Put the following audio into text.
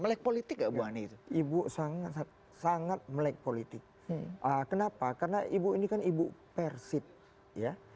melek politik enggak bu ani itu ibu sangat sangat melek politik kenapa karena ibu ini kan ibu persib ya